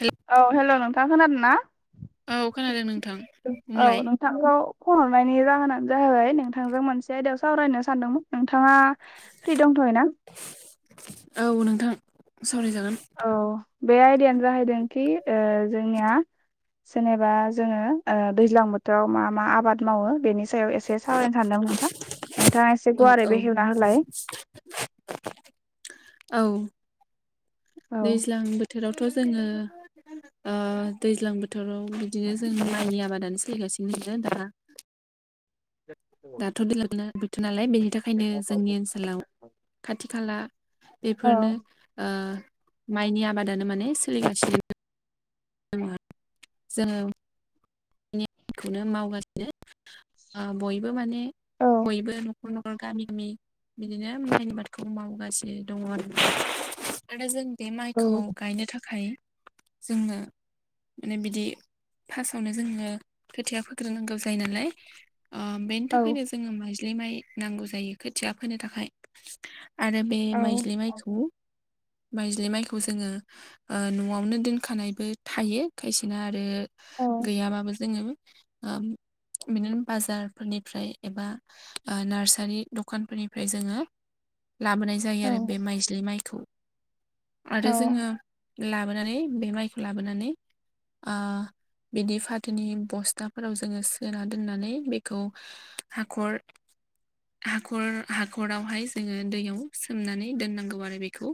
हेल' औ हेलौ नोंथाङा खोनादों ना? औ खोनादों नोंथां औ बुंलाय नोंथांखौ फन हरनायनि जाहोनानो जाहैबाय नोंथांजों मोनसे आयदायाव सावरायनो सानदोंमोन नोंथाङा फ्रि दं [unintelligible] औ नोंथां। सावरायजागोन औ बे आयदायानो जाहैदोंखि ओ जोंनिया जेनेबा जोङो दैज्लां बोथोराव मा मा आबाद मावो बेनिखायनो सायाव एसे सावरायनो सानदोंमोन नोंथां नोंथाङा एसे औ गुवारै औ बेखेवना होलाय [inaudible] औ औ दैज्लां बोथोरावथ' जोङो दैज्लां बोथोराव बिदिनो जों माइनि आबादानो सोलिगासिनो [unintelligible] दा [inaudible] दाथ' [unintelligible] ' नालाय बेनि थाखायनो जोंनि ओनसोलाव खाथि खाला औ बेफोरनो ओ माइनि आबादानो माने सोलिगासिनो। [unintelligible] मावगासिनो। आ बयबो माने औ बयबो न'खर न'ख गामिामनि बिदिनो माइनि आबादखौ मावगासिनो दङ आरो जों बे औ माइखौ गायनो थाखाय जोङो माने बिदि फार्स्टआवनो जोङो खोथाया फोग्रोनांगौ जायो नालाय बेनि औ थाखायनो जोङो माइज्लि ग्लि माइ नांगौ जायो खोथिया फोनो थाखाय। आरो बे औ माइज्लि माइखौ माइज्लि माइखौ जोङो न'आवनो दोनखानायबो थायो खायसेना आरो औ गैयाबाबो जोङो बिदि बाजारफोरनिफ्राय एबा नार्सारि दखानफोरनिफ्राय जोङो [inaudible] लाबोनाय जायो औ आरो बे माइज्लि माइ [inaudible] आरो जोङो लाबोनानै बे माइखौ लाबोनानै बिदि फाथोनि बस्थाफोराव जोङो सोना दोननानै बेखौ हाखर। हाखर हाखरावहाय जोङो दैयाव सोमनानै दोननांगौ आरो बेखौ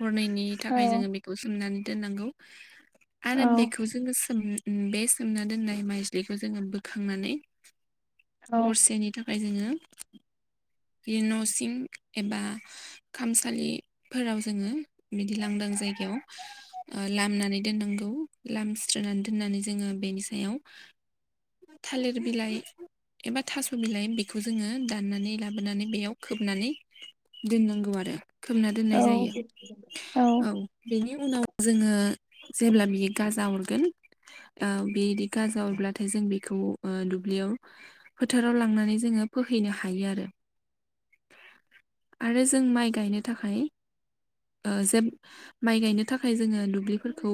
हरनायनि थाखाय जोङो औ बेखौ सोमनानै दोननांगौ आरो औ बेखौ जोङो सोम बे सोमना दोननाय माइज्लिखौ जोङो बोखांनानै हरसेनि थाखाय। ओमफ्राय जोङो बि न'सिं एबा खामसालिफोराव जोङो बिदि लांदों। जायगायाव लामनानै दोननांगौ लाम सथ्रानै दोननानै जोङो बेनि सायाव [inaudible] थालिर बिलाइ एबा थास' बिलाइ बेखौ जोङो दाननानै लाबो। मबोनानै बेयाव खोबनानै दोननांगौ आरो खोबना दोननाय जायो औ बेनि उनाव जोङो जेब्ला बियो गाजा अरगोन ओ बेदि गाजा अरब्लाथाय जों बेखौ खौ दुब्लियाव फोथाराव लांनानै जोङो फोहैनो हायो आरो आरो जों माइ गायनो थाखाय अ जे माइ गायनो थाखाय जोङो दुब्लिफोरखौ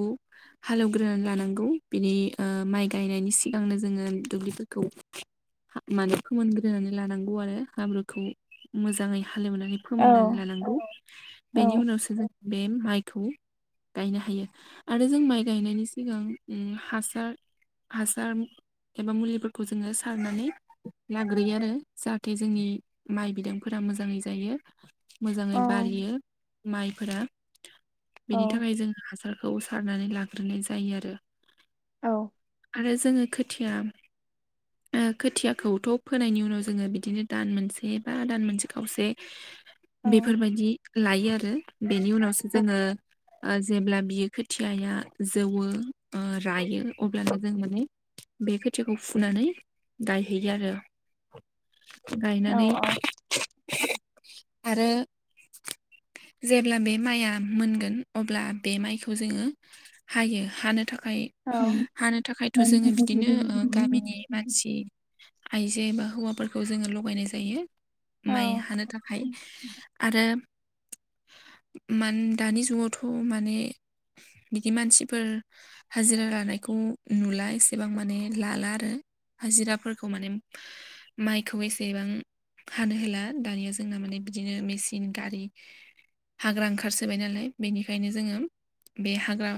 हालेवग्रोन लानांगौ। बिनि अ माइ गायनायनि सिगांनो जोङो दुब्लिफोरखौ मान फोमोनग्रोनानै लानांगौ आरो हाब्रुखौ। मोजाङै हालेवनानै औ फोमोननानै लानांगौ बेनि औ उनावसो जों बे माइखौ गायनो हायो आरो जों माइ गायनायनि सिगां ओम हासार हासार एबा मुलिफोरखौ जोङो सारनानै लाग्रोयो आरो जाहाथे जोंनि माइ बिदांफोरा मोजाङै जायो औ मोजाङै बारियो माइफोरा। बेनि औ थाखाय जोङो हासारखौ सारनानै लाग्रोनाय जायो आरो। औ आरो जोङो खो थिया खोथियाखौथ' फोनायनि उनाव जोङो बिदिनो दान मोनसे बा दान मोनसे खावसे औ बेफोरबायदि लायो आरो। बेनि उनावसो औ जोङो जेब्ला बियो खोथियाया जौवो अ रायो अब्लानो जों माने बे खोथियाखौ फुनानै गायहैयो आरो। गायनानै अ आरो जेब्ला बे माइआ मोनगोन अब्ला बे माइखौ जोङो हायो हानो थाखाय औ खाय हानो थाखायथ' औ जोङो बिदिनो ओ गामिनि मानसि आइजो बा हौवा फोरखौ जोङो लगायनाय जायो माइ हानो थाखाय। आरो मान दानि जुगावथ' माने बिदि मानसिफोर हाजिरा लानायखौ नुला एसेबां माने लाला आरोऋ हाजिराफोरखौ माने माइखौ एसेबां हानो होला दानिया जोंना माने बिदिनो मेसिन गारि हाग्रा ओंखारसोबाय नालाय बेनिखायनो जोङो बे हाग्रा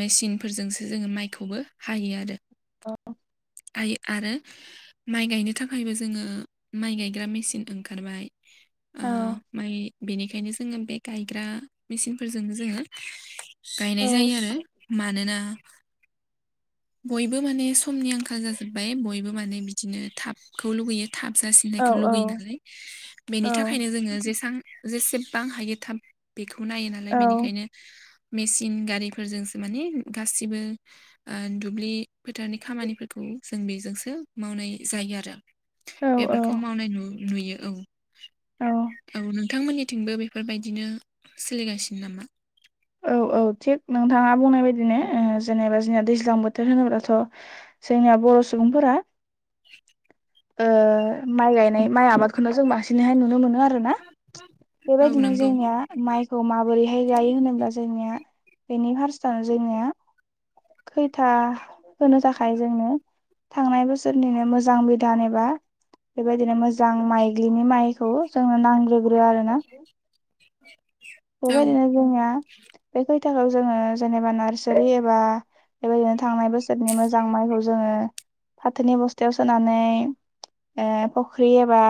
मेसिनफोरजोंसो जोङो माइखौबो हायो आरो। आयो आरो माइ गायनो थाखायबो जोङो माइ गायग्रा मेसिन ओंखारबाय ओ माइ बेनिखायनो जोङो बे गायग्रा मेसिनफोरजों जोङो गायनाय जायो आरो। मानोना बयबो माने समनि आंखाल जाजोब्बाय बयबो माने बिदिनो थाबखौ लुगैयो। थाब जासिननायखौ लुगैयो नालाय बेनि थाखायनो जोङो जेसां जेसे बां हायो थाब बेखौ नायो नालाय बेनिखायनो मेसिन गारिफोरजोंसो माने गासिबो ओ दुब्लि फोथारनि खामानिफोरखौ जों बेजोंसो मावनाय जायो आरो। औ बेफोरखौ मावनाय नु नुयो औ। औ नोंथांमोननिथिंबो बेफोरबायदिनो सोलिगासिनो नामा? औ औ थिग नोंथाङा बुंनाय बायदिनो जेनेबा जोंनिना दैज्लां बोथोर होनोब्लाथ' जोंना बर' सुबुंफोरा [inaudible] ओ माइ गायनाय माइ आबादखौनो जों बांसिनैहाय नुनो मोनो आरो। ना औ बेबायदिनो नंगौ जोंनिया माइखौ माबोरैहाय गायो होनोब्ला जोंनिया बेनि फार्स्टनो जोंनिया खैथा होनो थाखाय जोंनो थांनाय बोसोरनिनो मोजां बिधान एबा बेबायदिनो मोजां माइलिनि माइखौ जोंनो नांग्रोगोन आरोना। औ बेबायदिनो जोंनिया बे थाखौ जोङो जेनेबा नार्सारि एबा बेबायदिनो थांनाय बोसोरनि मोजां माइखौ जोङो फाथोनि बस्थायाव सोनानै ए फख्रिबा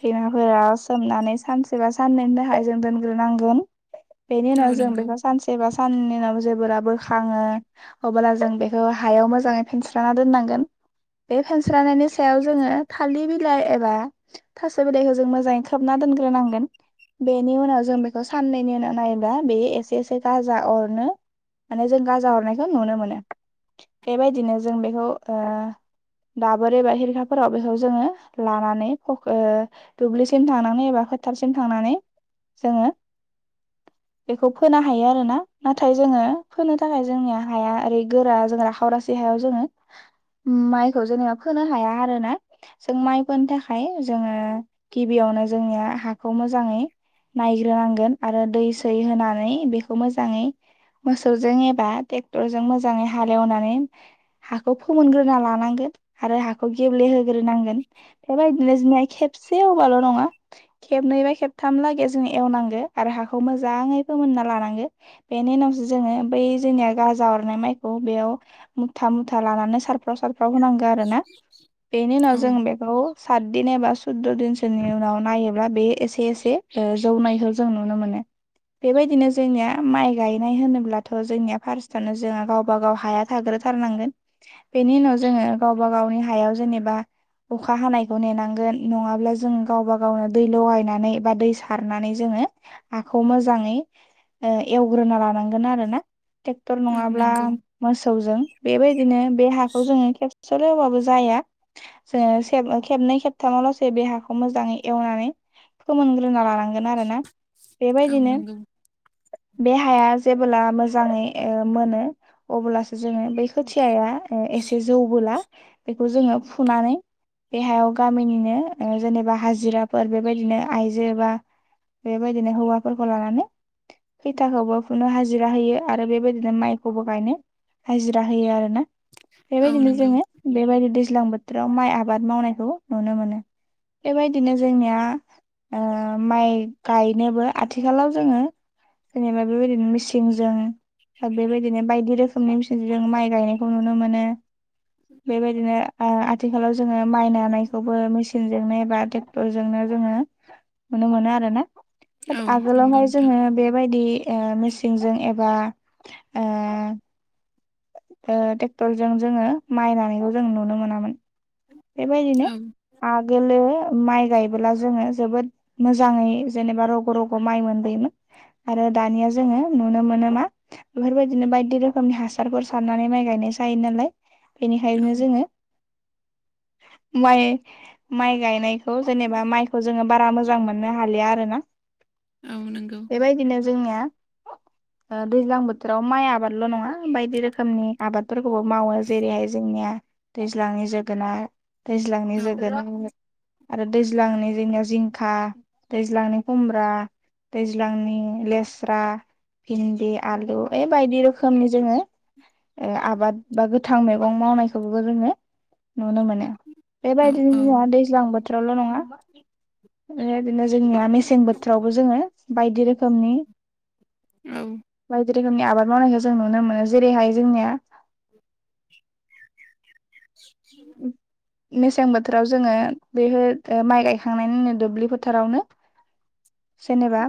थैमाफोरा सोमनानै सानसेबा साननैनि थाखाय जों दोनग्रोनांगोन बेनि औ उनाव जों नंगौ बेखौ सानसेबा साननि उनाव जेबोब्ला बोखाङो अब्ला जों बेखौ हायाव मोजाङै फेनस्रा दोननांगोन बे फेनस्रनायनि सायाव जोङो थालिर बिलाइ एबा थास' बिलाइखौ जों मोजाङै खोबना दोनग्रोनांगोन बेनि उनाव जों बेखौ साननैनि उनाव नायोब्ला बेयो एसे एसे गाजा अरनो माने जों गाजा हरनायखौ नुनो मोनो बेबायदिनो जों बेखौ ओ दाबर एबा हेलि खोथाफोराव बेखौ जोङो लानानै फ दुब्लिसिम थांनानै एबा फोथारसिम थांनानै जोङो बेखौ फोनो हायो आरो ना नाथाय जोङो फोनो थाखाय जोंनिया हाया ओरै गोरा जों राखावरासि हायाव जोंङो मइखौ जोङो फोनो हाया आरोना जों माइफोनो थाखाय जोङो गिबियावनो जोंनिया हाखौ मोजाङै नायग्रोनांगोन आरो दै सै होनानै बेखौ मोजाङै मोसौजों एबा ट्रेक्टरजों मोजाङै हालेवनानै हाखौ फोमोनग्रोना लानांगोन आरो हाखौ गेब्लेहोग्रोनांगोन बेबायदिनो जों खेबसे एवबाल' नङा खेबनै बा खेबथाम लागै एवनांगोन आरो हाखौ मोजै फोमोनना लांनांगोन बेनि उनावसो जोङो बै गानाय मुथा मुथा लानानै साराव सारफाव सार [unintelligible] होनांगो आरोना बेनि उनाव औ जोंबेखौ जों साथदिन एबा सुदद' दिनसोनि उनाव नायोब्ला बे एसे एसे जौनायखौ जों नुनो मोनो बेबायदिनो जोंनिया माइ गायनाय होनोब्लाथ' जोंनिया फार्स्टआनो जोंहा गावबा गाव हाया थाग्रो थारनांगोन बेनि उनाव जोङो गावबा गावनि हायाव जेनेबा अखा हानायखौ नेनांगोन नङाब्ला जों गावबा गावनो दै लगायनानै बा दै सारनानै जोङो हाखौ मोजाङै एवग्रोना लानांगोन मोन आरो ना ट्रेकटर औ नंङाब्ला नंगौ मोसौजों बेबायदिनो बे हाखौ जोंङो सर होबाबो जाया जोङो खेबनै खेबथामावल'सै बे हाखौ मोजाङै एवनानै फोमोनग्रोना लानांगोन आरो ना औ बेबायदिनो नंगौ बेहाया जेबोब्ला मोजाङै मोनो अब्लासो जोङो बै खोथियाया एसे जौबोला बेखौ जोङो फुना नै बे हायाव गामिनिनो जेनेबा हाजिराफोर बेबायदिनो आइजो बा बेबायदिनो हौवाफोरखौ लानानै खैथाखौबो फुनो हाजिरा होयो आरो बेबायदिनो माइखौबो गायनो हाजिरा होयो आरो ना औ बेबायदिनो नंगौ जोङो बेबायदि दैज्लां बो थोराव माइ आबाद मावनायखौ नुनो मोनो बेबायदिनो जोंनिया माइ गायनोबो आथिखालाव जोङो जेनेबा बेबायदिनो मिसिंजों बेबायदिनो बायदि रोखोमनि मिसिन जों माइ गायनायखौ नुनो मोनो बेबायदिनो आ आथिखालाव जोङो माइ नानायखौबो मेसिनजोंनो बा ट्रेक्टरजोंनो जोङो नुनो मोनो आरो ना औ नंगौ आगोलावहाय नोंथां जोङो बेबायदि ओ मेसेनजों एबा ओ ओ ट्रेक्टरजों जोङो माइ नानायखौ जों नुनो मोना मोन बेबायदिनो औ आगोलो माइ गायबोला जोङो जोबोद मोजांङै जेनेबा रग'-रग' माइ मोनबोयोमोन। आरो दानिया जोङो नुनो मोनो मा बेफोरबायदिनो बायदि रोखोमनि हासारफोर सारनानै माइ गायनाय जायोनालाय औ बेनिखायनो जोङो माइ-माइ गायनायखौ जेनेबा माइखौ जोङो बारा मोजां मोननो हालिया आरो ना? औ नंगौ। [inaudible] ओ दैज्लां बोथोराव माइ आबादल' नङा बायदि रोखोमनि आबादफोरखौबो मावो जेरैहाय जों निया दैज्लांनि जोगोनार दैज्लांनि औ [unintelligible] आरो दैज्लांनि जोंनियाव जिंखा दैज्लांनि खुमब्रा दैज्लांनि लेस्रा भिन्दि आलु ए बायदि रोखोमनि जोङो ए आबाद बा गोथां मैगं मावनायखौबो जोङो नुनो मोनो औ बेबायदिनो जोंहा औ दैज्लां बोथोरावल' नङा बेबायदिनो जोंनिया मेसें बोथोरावबो जोङो बायदि रोखोमनि बायदि रोखोमनि आबाद मावनायखौ जों नुनो मोनो जेरैहाय जोंनिया [inaudible] उम। मेसें बोथोराव जोङो बेफोर ओ माइ गायखांनायनि उनाव दुब्लि फोथारावनो जेनेबा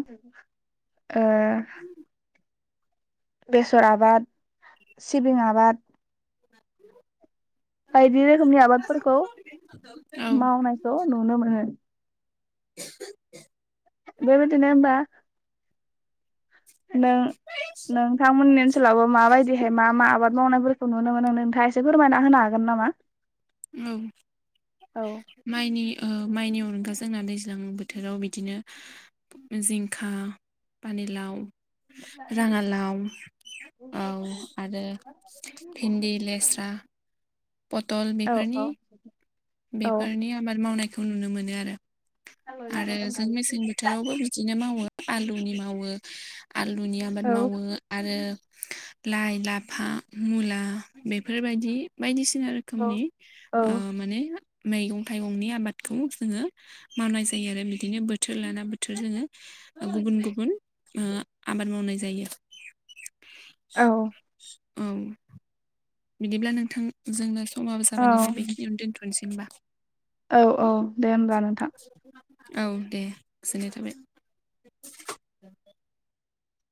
ओ बेसर आबाद सिबिं आबाद [inaudible] बायदि रोखोमनि आबादफोरखौ औ औ मावनायखौ नुनो मोनो। [inaudible] बेबायदिनो बा नों नोंथांमोननि ओनसोलावबो माबायदिहाय मा-मा आबाद मावनायफोरखौ नुनो मोनो नोंथाङा एसे फोरमायना होनो हागोन नामा? मा-मा? औ माइनि ओ माइनि अनगा जोंना दैज्लां बोथोराव बिदिनो जिंखा, पानिलाव राङालाव औ आरो भिन्दि लेस्रा पटल औ बेफोरनि औ बेफोरनि आबाद मावनायखौ नुनो मोनो आरो। औ आरो जों मेसें बोथोरावबो बिदिनो मावो आलुनि मावो आलुनि आबाद मावो आरो लाइ-लाफा मुला बेफोरबायदि बायदिसि ना रोखोमनि ओ माने मैगं थाइगंनि आबादखौ जोङो मावनाय जायो आरो बिदिनो बोथोर लाना बोथोर जोङो गुबुन-गुबुन ओ आबाद मावनाय जायो। [inaudible] औ औ बिदिब्ला नोंथां जोंना समाबो औ जाबाय नालाय बेखिनियावनो दोनथ'नोसै होमबा। औ-औ दे होमब्ला नोंथां। औ दे गोजोननाय थाबाय।